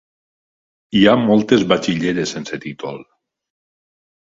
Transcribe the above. Hi ha moltes batxilleres sense títol.